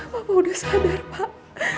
bapak udah sadar pak